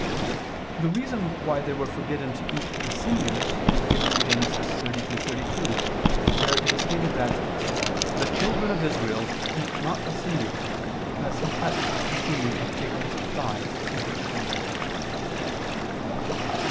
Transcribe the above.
The reason why they were forbidden to eat the sinews is given in Gen. 32:32, where it is stated that "the children of Israel ... eat not the sinew ... because he touched the sinew of" Jacob's "thigh and it shrank."